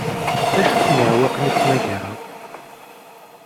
D acu-ten iɛewwiqen i d-temmugreḍ?